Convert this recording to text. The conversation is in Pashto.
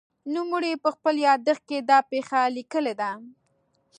نوموړي په خپل یادښت کې دا پېښه لیکلې ده.